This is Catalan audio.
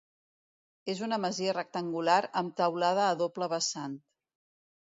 És una masia rectangular amb teulada a doble vessant.